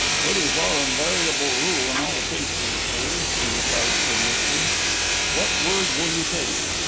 "It is our invariable rule in all cases, sir," he replied courteously. "What word will you take?"